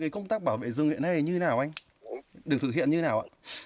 công tác bảo vệ rừng hiện nay như thế nào anh được thực hiện như thế nào ạ